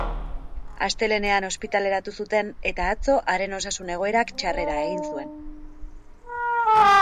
Astelehenean ospitaleratu zuten, eta atzo haren osasun egoerak txarrera egin zuen.